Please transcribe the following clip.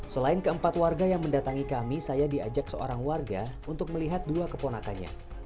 selain keempat warga yang mendatangi kami saya diajak seorang warga untuk melihat dua keponakannya